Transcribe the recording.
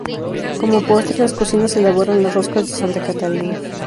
Como postre, las cocinas elaboran las roscas de Santa Catalina.